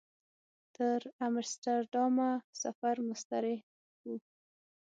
تر امسټرډامه سفر مستریح و.